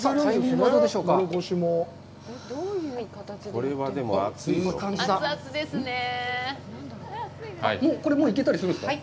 これもういけたりするんですか？